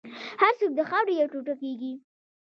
هر څوک د خاورې یو ټوټه کېږي.